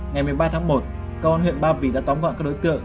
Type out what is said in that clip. ngày một mươi ba tháng một công an huyện ba vì đã tóm gọn các đối tượng